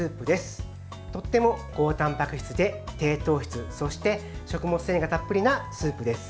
とっても高たんぱく質で低糖質そして食物繊維がたっぷりなスープです。